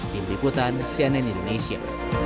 tim ikutan cnn indonesia